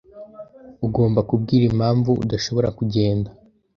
Ugomba kubwira impamvu udashobora kugenda